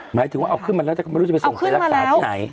หมายถึงว่าเอาขึ้นมาแล้วจะไปส่งไปรักษาที่ไหน